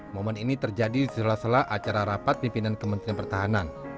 momen ini terjadi di sela sela acara rapat pimpinan kementerian pertahanan